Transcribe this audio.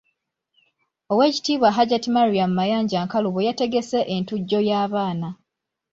Oweekitiibwa Hajat Mariam Mayanja Nkalubo yategese entujjo y’abaana.